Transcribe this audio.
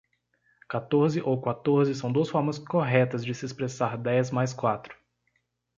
Catorze ou quatorze são duas formas corretas de se expressar dez mais quatro